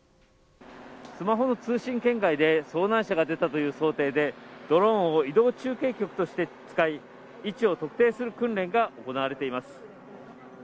スマホの通信圏外で遭難者が出たという想定でドローンを移動中継局として使い位置を特定する訓練が行われています。